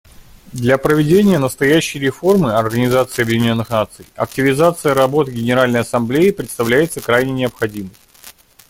Для проведения настоящей реформы Организации Объединенных Наций активизация работы Генеральной Ассамблеи представляется крайне необходимой.